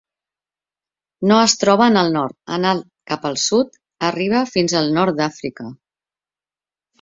No es troba en el nord, anant cap al sud arriba fins al nord d'Àfrica.